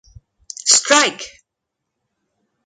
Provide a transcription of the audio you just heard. Strike!